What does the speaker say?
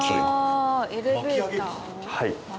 はい。